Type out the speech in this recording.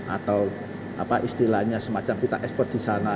atau apa istilahnya semacam kita ekspor di sana